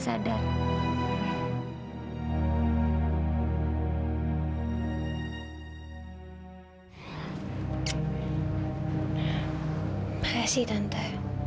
terima kasih tante